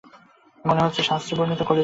মনে হচ্ছে শাস্ত্রে বর্ণিত কলিযুগ এসে পড়লো!